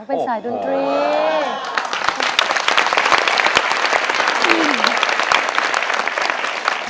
เป็นสายดนตรี